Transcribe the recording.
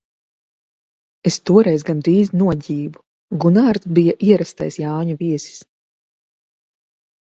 Es toreiz gandrīz noģību. Gunārs bija ierastais Jāņu viesis.